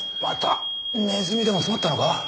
またネズミでも詰まったのか？